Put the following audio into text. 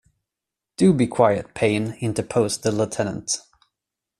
‘Do be quiet, Payne,’ interposed the lieutenant.